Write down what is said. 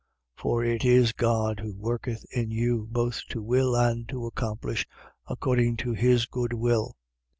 For it is God who worketh in you, both to will and to accomplish, according to his good will.